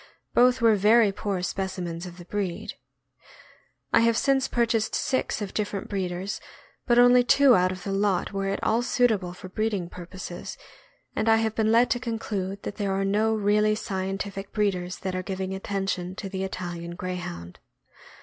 Both were very poor specimens of the breed. I have since purchased six of different breeders, but only two out of the lot were at all suitable for breeding purposes, and I have been led to conclude that there are no really scientific breeders that are giving attention to the Italian Greyhound.